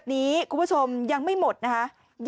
กินให้ดูเลยค่ะว่ามันปลอดภัย